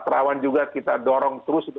terawan juga kita dorong terus